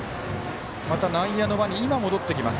また内野の輪に今、戻ってきます。